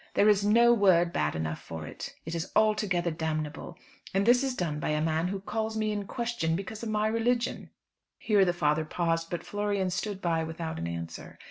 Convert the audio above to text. There is no word bad enough for it. It is altogether damnable; and this is done by a man who calls me in question because of my religion." Here the father paused, but Florian stood by without an answer.